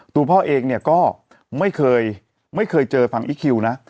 ตัวพ่อเองเนี่ยก็ไม่เคยไม่เคยเจอฝั่งอีคคิวนะ